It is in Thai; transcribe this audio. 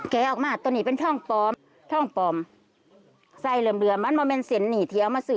แกะออกมาตอนนี้เป็นท่องปลอม